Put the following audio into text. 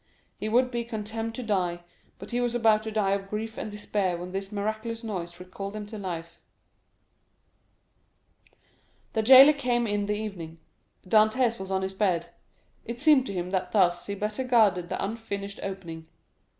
He would be condemned to die, but he was about to die of grief and despair when this miraculous noise recalled him to life. The jailer came in the evening. Dantès was on his bed. It seemed to him that thus he better guarded the unfinished opening.